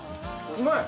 うまい！